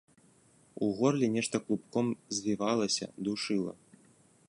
У горле нешта клубком звівалася, душыла.